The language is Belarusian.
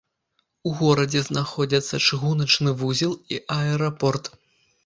У горадзе знаходзяцца чыгуначны вузел і аэрапорт.